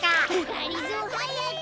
がりぞーはやく！